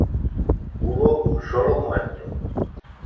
Hubo un solo muerto.